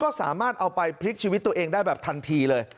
ก็สามารถเอาไปพลิกชีวิตตัวเองได้แบบทันทีเลย